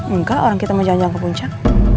enggak orang kita mau jalan jalan ke puncak